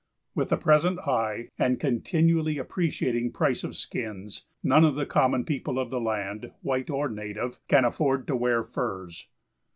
With the present high and continually appreciating price of skins, none of the common people of the land, white or native, can afford to wear furs.